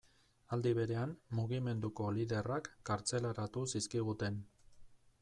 Aldi berean, mugimenduko liderrak kartzelaratu zizkiguten.